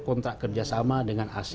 kontrak kerjasama dengan hasil